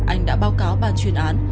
anh đã báo cáo bàn chuyên án